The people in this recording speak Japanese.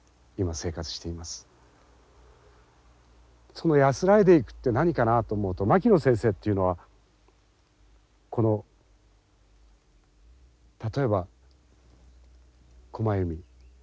その安らいでいくって何かなと思うと牧野先生っていうのはこの例えばコマユミ。